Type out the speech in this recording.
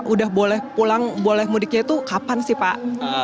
udah boleh pulang boleh mudiknya itu kapan sih pak